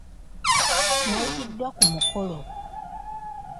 Nnayitiddwa ku mukolo.